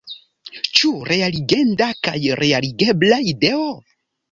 Ĉu realigenda kaj realigebla ideo?